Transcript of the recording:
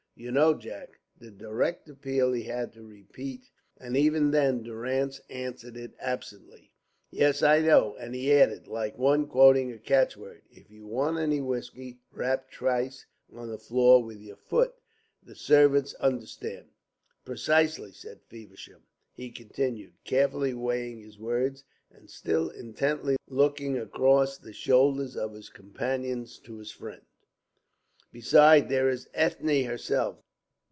You know, Jack?" The direct appeal he had to repeat, and even then Durrance answered it absently: "Yes, I know," and he added, like one quoting a catch word. "If you want any whiskey, rap twice on the floor with your foot. The servants understand." "Precisely," said Feversham. He continued, carefully weighing his words, and still intently looking across the shoulders of his companions to his friend: "Besides, there is Ethne herself.